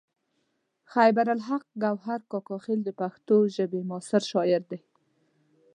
خیبر الحق ګوهر کاکا خیل د پښتو ژبې معاصر شاعر دی.